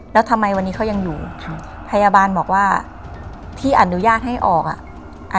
แล้วทำไมวันนี้เขายังอยู่ครับพยาบาลบอกว่าที่อนุญาตให้ออกอ่ะ